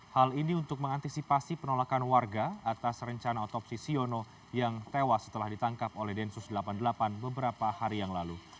hal ini untuk mengantisipasi penolakan warga atas rencana otopsi siono yang tewas setelah ditangkap oleh densus delapan puluh delapan beberapa hari yang lalu